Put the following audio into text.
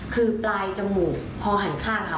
คือปลายจมูกพอหันข้างเขา